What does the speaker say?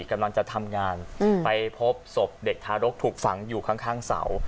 กำลังจะทำงานไปพบศพเด็กทารกถูกฝังอยู่ข้างเสา